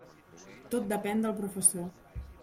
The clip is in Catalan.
Tot depén del professor.